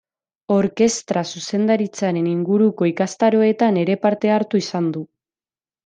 Orkestra-zuzendaritzaren inguruko ikastaroetan ere parte hartu izan du.